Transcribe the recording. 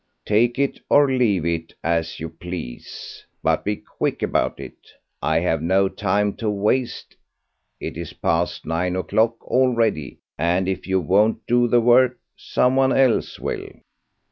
Take it or leave it, as you please, but be quick about it. I have no time to waste; it is past nine o'clock already, and if you won't do the work, someone else will."